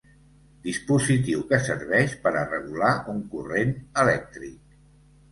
Dispositiu que serveix per a regular un corrent elèctric.